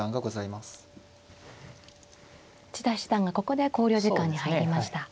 千田七段がここで考慮時間に入りました。